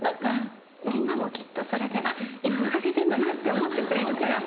みんなもきっとそれで「今おなかすいてんだな」って思ってくれるから。